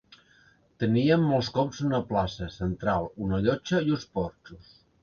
Tenien molts cops una plaça central, una llotja i uns porxos.